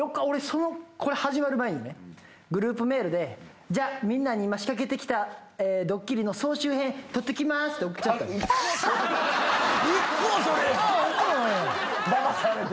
俺これ始まる前にねグループメールで「じゃあみんなに今仕掛けてきたドッキリの総集編撮ってきます」って送っちゃった。